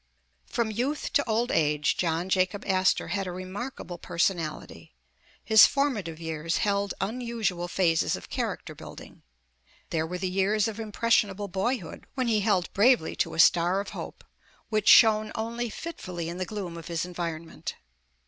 From youth to old age John Jacob Astor had a re markable personality. His formative years held unusu al phases of character building. There were the years of impressionable boyhood when he held bravely to a star of hope, which shone only fitfully in the gloom of his environment.